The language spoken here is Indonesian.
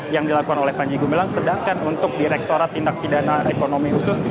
yang dilakukan oleh panji gumilang sedangkan untuk direktorat tindak pidana ekonomi khusus